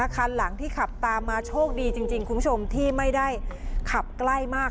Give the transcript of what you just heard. คันหลังที่ขับตามมาโชคดีจริงคุณผู้ชมที่ไม่ได้ขับใกล้มาก